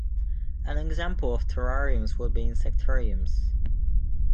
An example of terrariums would be insectariums.